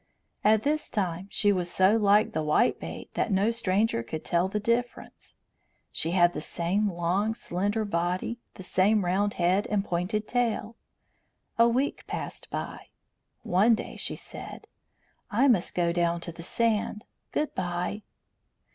At this time she was so like the whitebait that no stranger could tell the difference. She had the same long slender body, the same round head and pointed tail. A week passed by. One day she said: "I must go down to the sand. Good bye."